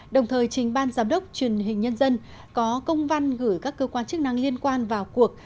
đồng thời trình ban giám đốc truyền hình nhân dân có công văn gửi các cơ quan chức năng liên quan vào cuộc